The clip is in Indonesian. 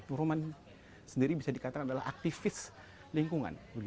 nur roman sendiri bisa dikatakan adalah aktivis lingkungan